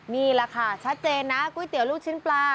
นี่แหละค่ะชัดเจนนะก๋วยเตี๋ยวลูกชิ้นปลา